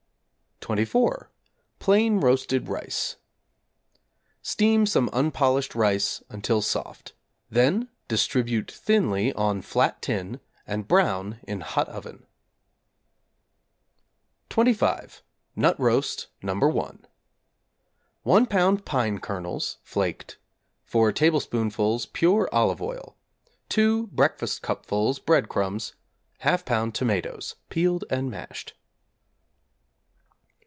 =24. Plain Roasted Rice= Steam some unpolished rice until soft; then distribute thinly on flat tin and brown in hot oven. =25. Nut Roast No. 1= 1 lb. pine kernels (flaked), 4 tablespoonfuls pure olive oil, 2 breakfastcupfuls breadcrumbs, 1/2 lb. tomatoes (peeled and mashed).